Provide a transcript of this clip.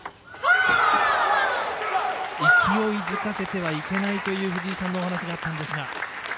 勢いづかせてはいけないという藤井さんのお話があったんですが。